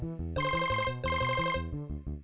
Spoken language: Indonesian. oke datang lagi